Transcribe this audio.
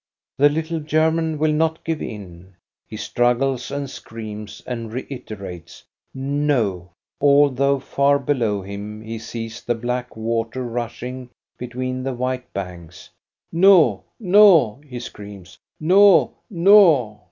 The little German will not give in ; he struggles and screams, and reiterates " No," although far below him he sees the black water rushing between the white banks. No, no," he screams ;" no, no